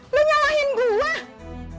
lu nyalahin gua